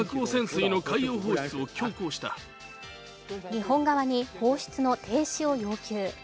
日本側の放出の停止を要求。